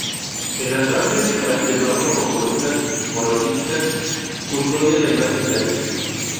El altar principal de mármol con columnas monolíticas, custodia la imagen de la virgen.